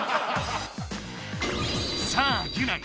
さあギュナイ